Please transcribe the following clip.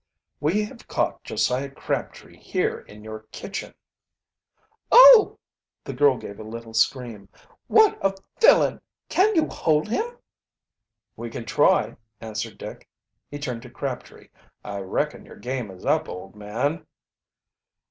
We have caught Josiah Crabtree here in your kitchen." "Oh!" The girl gave a little scream. "What a villain! Can you hold him?" "We can try," answered Dick. He turned to Crabtree. "I reckon your game is up, old man."